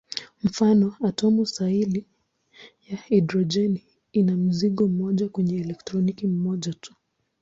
Mfano: atomu sahili ya hidrojeni ina mzingo mmoja wenye elektroni moja tu.